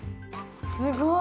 すごい。